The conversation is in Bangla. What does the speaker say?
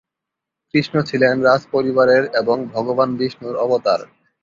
কৃষ্ণ ছিলেন রাজপরিবারের এবং ভগবান বিষ্ণুর অবতার।